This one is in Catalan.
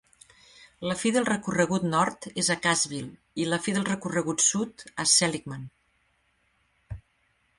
La fi del recorregut nord és a Cassville i la fi del recorregut sud, a Seligman.